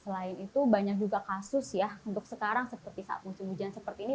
selain itu banyak juga kasus ya untuk sekarang seperti saat musim hujan seperti ini